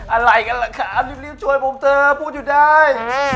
อะไรกันแหละค่ะรีบรีบช่วยผมเธอพูดอยู่ได้